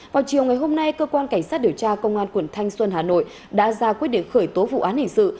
vào chiều ngày hôm nay cơ quan cảnh sát điều tra công an quận thanh xuân hà nội đã ra quyết định khởi tố vụ án hình sự